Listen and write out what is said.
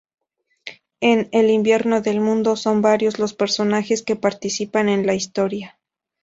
En "El Invierno del Mundo", son varios los personajes que participan en la historia.